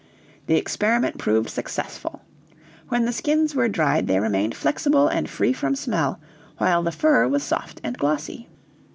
The experiment proved successful. When the skins were dried they remained flexible and free from smell, while the fur was soft and glossy.